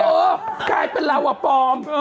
ใช่ใครเป็นเราอ่ะปลอม